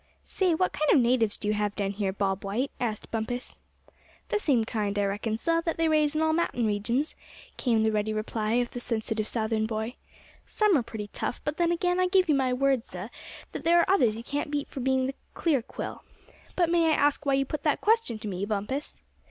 "Say, what kind of natives do you have down here, Bob White?" asked Bumpus. "The same kind, I reckon, suh, that they raise in all mountain regions," came the ready reply of the sensitive Southern boy. "Some are pretty tough; but then again, I give you my word, suh, that there are others you can't beat for being the clear quill. But may I ask why you put that question to me, Bumpus?"